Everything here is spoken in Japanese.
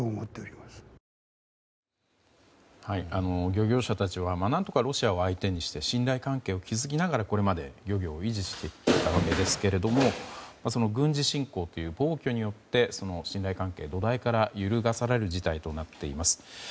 漁業者たちは何とかロシアを相手にして信頼関係を築きながらこれまで漁業を維持してきたわけですけれどもその軍事侵攻という暴挙によって信頼関係、土台から揺るがされる事態となっています。